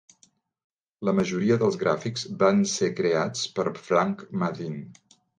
La majoria dels gràfics van ser creats per Frank Maddin.